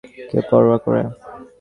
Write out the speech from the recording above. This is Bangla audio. কে পরোয়া করে।